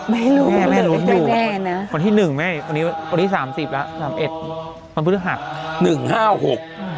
ไม่รู้เลยไม่แน่นะคนที่๑แม่คนที่๓๐แล้ว๓๑มันเพื่อหัก